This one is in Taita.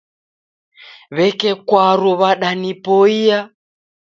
W'eke kwaru wadanipoia.